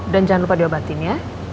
dan jangan lupa diobatin ya